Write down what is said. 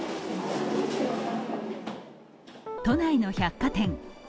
都内の百貨店。